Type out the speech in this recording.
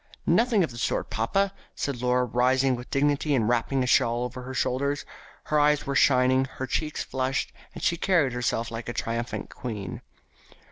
"Nothing of the sort, papa," said Laura, rising with dignity and wrapping a shawl about her shoulders. Her eyes were shining, her cheeks flushed, and she carried herself like a triumphant queen.